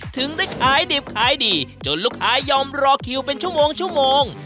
ถึงได้ขายดิบขายดีจนลูกค้ายอมรอคิวเป็นชั่วโมงชั่วโมง